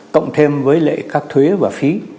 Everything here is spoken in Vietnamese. cộng thêm với lệ các thuế và phí